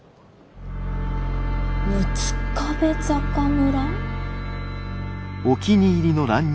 「六壁坂村」？